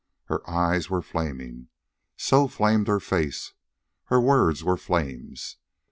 Her eyes were flaming. So flamed her face. Her words were flames.